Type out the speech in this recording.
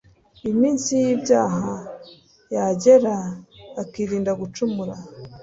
iminsi y'ibyaha yagera, akirinda gucumura